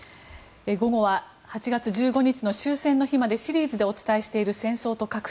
午後は８月１５日の終戦の日までシリーズでお伝えしている戦争と核。